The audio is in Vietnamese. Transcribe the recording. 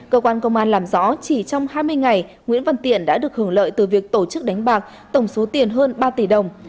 cơ quan công an làm rõ chỉ trong hai mươi ngày nguyễn văn tiện đã được hưởng lợi từ việc tổ chức đánh bạc tổng số tiền hơn ba tỷ đồng